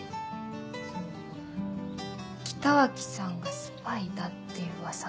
その北脇さんがスパイだっていう噂が。